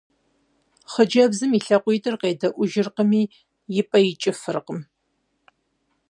Хъыджэбзым и лъакъуитӀыр къедэӀуэжыркъыми, и пӀэ икӀыфыркъым.